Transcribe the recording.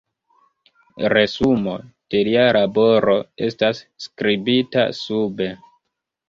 Resumo de lia laboro estas skribita sube.